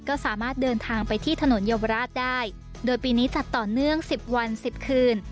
ก็สามารถเดินทางไปที่ถนนเยาวราชได้โดยปีนี้จัดต่อเนื่องสิบวันสิบคืน